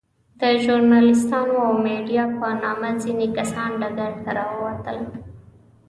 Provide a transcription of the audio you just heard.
د ژورناليستانو او ميډيا په نامه ځينې کسان ډګر ته راووتل.